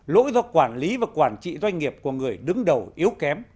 lỗi do quản lý và quản trị doanh nghiệp của người đứng đầu yếu kém